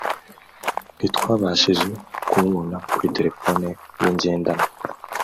ntitwabashije kumubona kuri telefone ye ngendanwa